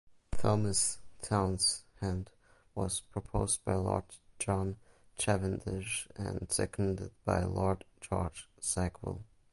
Thomas Townshend was proposed by Lord John Cavendish and seconded by Lord George Sackville.